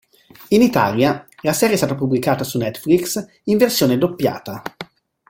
In Italia la serie è stata pubblicata su Netflix in versione doppiata.